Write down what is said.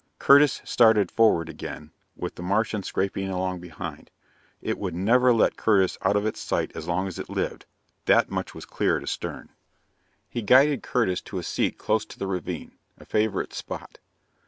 Curtis started forward again, with the Martian scraping along behind. It would never let Curtis out of its sight as long as it lived; that much was clear to Stern. He guided Curtis to a seat close to the ravine, a favorite spot.